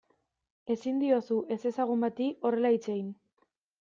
Ezin diozu ezezagun bati horrela hitz egin.